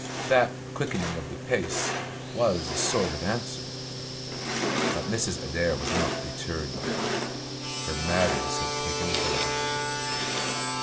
That quickening of the pace was a sort of answer, but Mrs. Adair was not deterred by it. Her madness had taken hold of her.